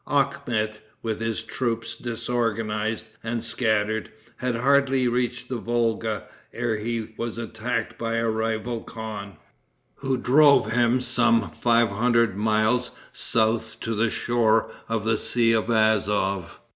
Akhmet, with his troops disorganized and scattered, had hardly reached the Volga, ere he was attacked by a rival khan, who drove him some five hundred miles south to the shore of the Sea of Azof.